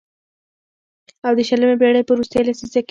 او د شلمې پېړۍ په وروستۍ لسيزه کې